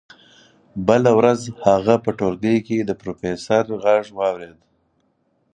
بله ورځ هغه په ټولګي کې د پروفیسور غږ واورېد